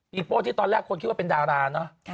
โป้ที่ตอนแรกคนคิดว่าเป็นดาราเนอะ